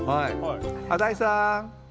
新井さん。